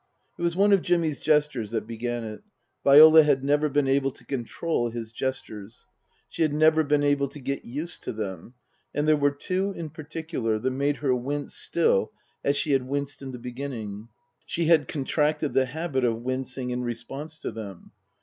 It was one of Jimmy's gestures that began it. Viola had never been able to control his gestures ; she had never been able to get used to them ; and there were two in particular that made her wince still as she had winced in the beginning. She had contracted the habit of wincing in response to them.